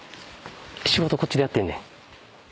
仕事こっちでやってんねん。